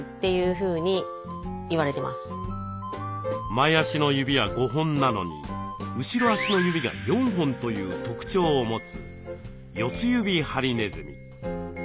前足の指は５本なのに後ろ足の指が４本という特徴を持つヨツユビハリネズミ。